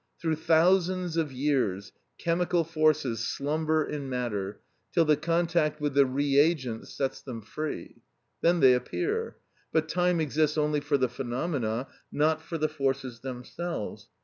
Through thousands of years chemical forces slumber in matter till the contact with the reagents sets them free; then they appear; but time exists only for the phenomena, not for the forces themselves.